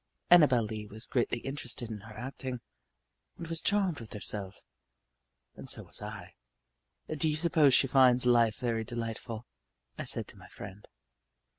Annabel Lee was greatly interested in her acting, and was charmed with herself and so was I. "Do you suppose she finds life very delightful?" I said to my friend.